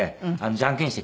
ジャンケンして。